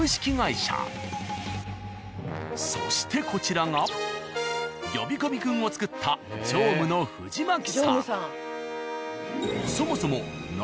そしてこちらが呼び込み君を作った常務の藤巻さん。